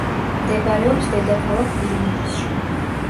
მდებარეობს დედაქალაქ ვილნიუსში.